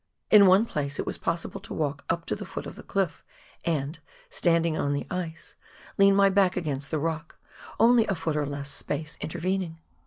In one place it was possible to walk up to the foot of the cliff and, standing on the ice, lean my back against the rock, only a foot or less space intervening.